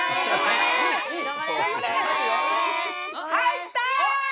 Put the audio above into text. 入った！